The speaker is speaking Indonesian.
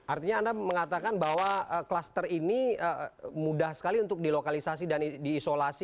artinya anda mengatakan bahwa kluster ini mudah sekali untuk dilokalisasi dan diisolasi